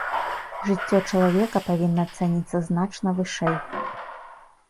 Жыццё чалавека павінна цаніцца значна вышэй.